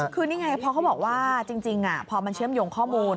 คือนี่ไงเพราะเขาบอกว่าจริงพอมันเชื่อมโยงข้อมูล